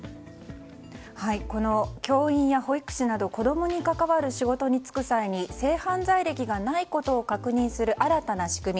この教員や保育士など子供に関わる仕事に就く際に性犯罪歴がないことを確認する新たな仕組み